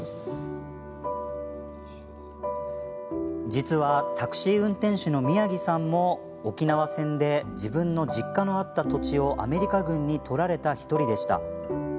実は、タクシー運転手の宮城さんも沖縄戦で自分の実家のあった土地をアメリカ軍に取られた１人でした。